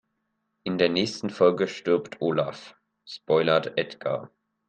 In der nächsten Folge stirbt Olaf, spoilert Edgar.